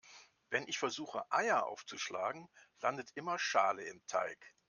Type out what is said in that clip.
Wenn ich versuche Eier aufzuschlagen, landet immer Schale im Teig.